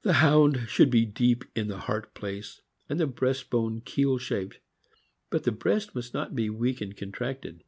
The Hound should be deep in the heart place, and the breast bone keel shaped; but the breast must not be weak and contracted.